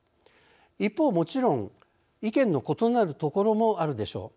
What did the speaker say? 一方、もちろん意見の異なるところもあるでしょう。